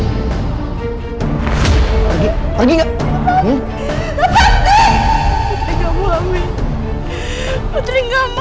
pergi pergi gak